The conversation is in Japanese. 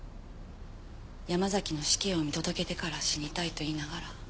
山崎の死刑を見届けてから死にたいと言いながら。